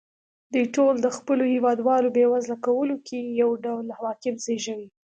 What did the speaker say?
دوی ټول د خپلو هېوادوالو بېوزله کولو کې یو ډول عواقب زېږوي.